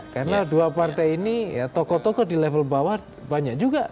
karena dua partai ini toko toko di level bawah banyak juga